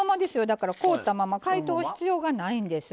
だから凍ったまま解凍必要がないんです。